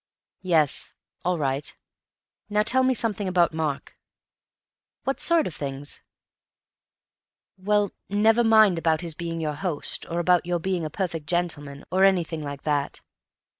"Yes.... All right; now tell me something about Mark." "What sort of things?" "Well, never mind about his being your host, or about your being a perfect gentleman, or anything like that.